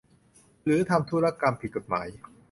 หรือทำธุรกรรมผิดกฎหมาย